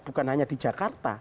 bukan hanya di jakarta